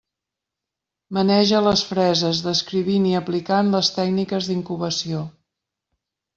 Maneja les freses, descrivint i aplicant les tècniques d'incubació.